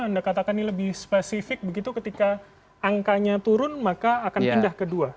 anda katakan ini lebih spesifik begitu ketika angkanya turun maka akan pindah ke dua